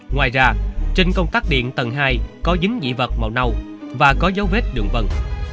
ngoài ra trên công tắc điện tầng hai có dính dị vật màu nâu và có dấu vết đường vân